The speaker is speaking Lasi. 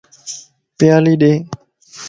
پيالي ڏي